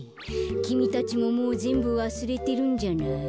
きみたちももうぜんぶわすれてるんじゃない？